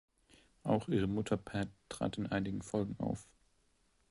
Auch ihre Mutter Pat trat in einigen Folgen auf.